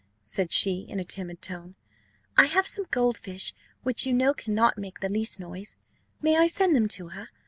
said she, in a timid tone. "I have some gold fish, which you know cannot make the least noise: may I send them to her?